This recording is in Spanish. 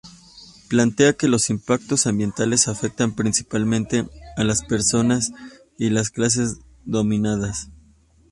Plantea que los impactos ambientales afectan principalmente a las personas y las clases dominadas.